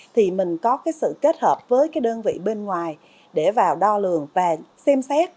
thì mình có sự kết hợp với đơn vị bên ngoài để vào đo lường và xem xét